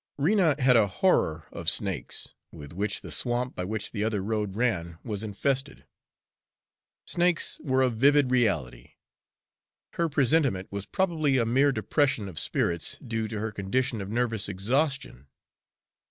Rena had a horror of snakes, with which the swamp by which the other road ran was infested. Snakes were a vivid reality; her presentiment was probably a mere depression of spirits due to her condition of nervous exhaustion.